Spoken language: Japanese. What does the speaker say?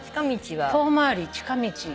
遠回り近道。